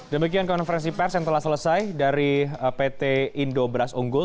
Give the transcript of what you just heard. dan begini konferensi pers yang telah selesai dari pt indo beras unggul